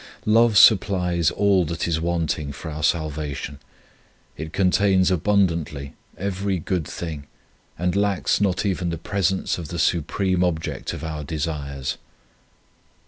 Love supplies all that is wanting for our salvation ; it contains abundantly every good thing, and lacks not even the presence of the supreme object of our desires.